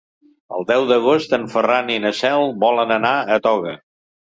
El deu d'agost en Ferran i na Cel volen anar a Toga.